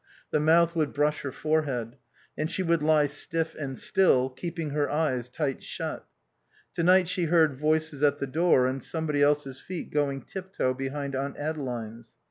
The mouth would brush her forehead. And she would lie stiff and still, keeping her eyes tight shut. To night she heard voices at the door and somebody else's feet going tip toe behind Aunt Adeline's.